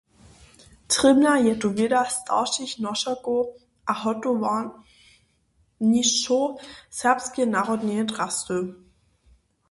Trěbna je tu wěda staršich nošerkow a hotowarničow serbskeje narodneje drasty.